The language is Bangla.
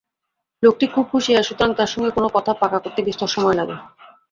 লোকটি খুব হুঁশিয়ার, সুতরাং তাঁর সঙ্গে কোনো কথা পাকা করতে বিস্তর সময় লাগে।